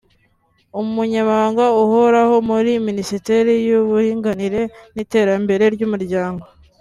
Umunyamabanga Uhoraho muri Minisiteri y’Uburinganire n’Iterambere ry’Umuryango